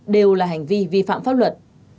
đều là hành vi vi phạm pháp luật